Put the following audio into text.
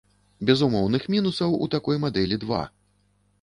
Безумоўных мінусаў у такой мадэлі два.